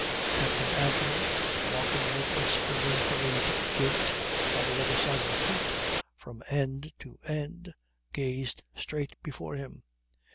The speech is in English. Captain Anthony, walking with a springy hurried gait on the other side of the poop from end to end, gazed straight before him.